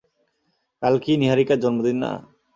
কাল কি নীহারিকার জন্মদিন না?